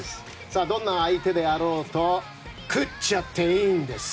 どんな相手だろうと食っちゃっていいんです。